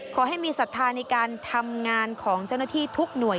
ขอให้มีศรัทธาในการทำงานของเจ้าหน้าที่ทุกหน่วย